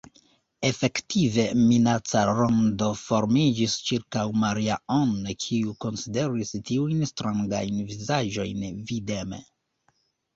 Efektive, minaca rondo formiĝis ĉirkaŭ Maria-Ann, kiu konsideris tiujn strangajn vizaĝojn videme.